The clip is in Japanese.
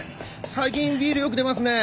最近ビールよく出ますね。